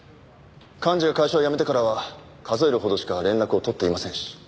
寛二が会社を辞めてからは数えるほどしか連絡を取っていませんし。